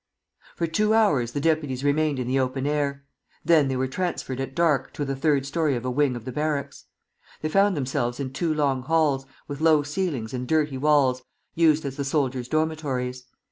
For two hours the deputies remained in the open air; then they were transferred at dark to the third story of a wing of the barracks. They found themselves in two long halls, with low ceilings and dirty walls, used as the soldiers' dormitories.